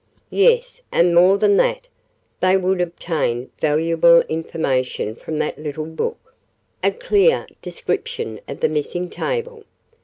"Yes, and more than that. They would obtain valuable information from that little book a clear description of the missing table.